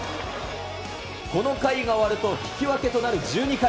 この回が終わると引き分けとなる１２回。